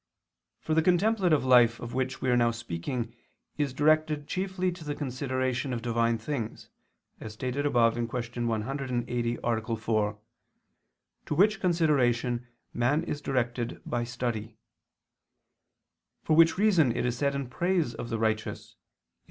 For the contemplative life of which we are now speaking is directed chiefly to the consideration of divine things, as stated above (Q. 180, A. 4), to which consideration man is directed by study; for which reason it is said in praise of the righteous (Ps.